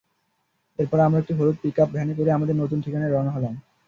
এরপর আমরা একটা হলুদ পিকআপ ভ্যানে করে আমাদের নতুন ঠিকানায় রওনা হলাম।